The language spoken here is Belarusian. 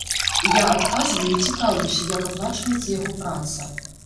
Я адказваю і цікаўлюся, як аплачваецца яго праца.